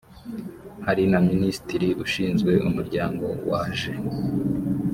hari na minisitiri ushinzwe umuryango waje